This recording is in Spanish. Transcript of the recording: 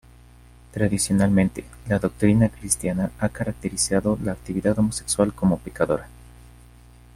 Tradicionalmente, la doctrina cristiana ha categorizado la actividad homosexual como pecadora.